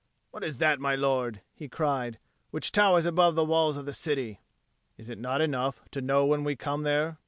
"What is that, my lord," he cried, "which towers above the walls of the city?" "Is it not enough to know when we come there?"